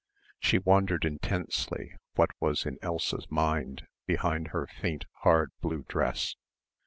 She wondered intensely what was in Elsa's mind behind her faint hard blue dress.